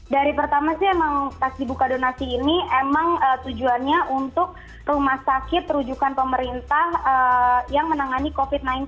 dari pertama sih emang pas dibuka donasi ini emang tujuannya untuk rumah sakit rujukan pemerintah yang menangani covid sembilan belas